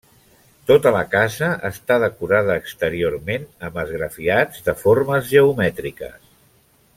Tota la casa està decorada exteriorment amb esgrafiats de formes geomètriques.